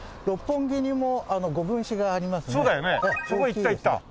そこ行った行った。